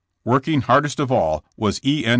Working hardest of all was E. N.